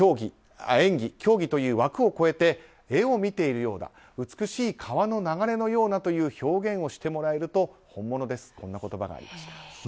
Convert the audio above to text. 演技・競技という枠を超えて絵を見ているようだ美しい川の流れのようなという表現をしてもらえると本物ですとこんな言葉がありました。